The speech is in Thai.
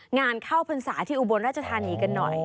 งานค่ะแอเพนศาที่อุบรรณรัชธานีกันหน่อย